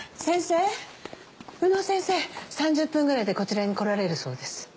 先生宇野先生３０分くらいでこちらに来られるそうです。